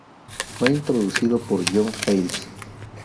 Fue introducido por John Halles.